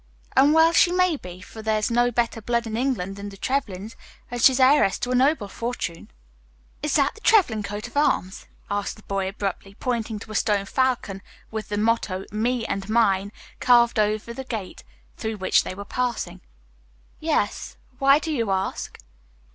"And well she may be, for there's no better blood in England than the Trevlyns, and she's heiress to a noble fortune." "Is that the Trevlyn coat of arms?" asked the boy abruptly, pointing to a stone falcon with the motto ME AND MINE carved over the gate through which they were passing. "Yes. Why do you ask?"